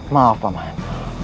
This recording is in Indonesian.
maaf pak mahan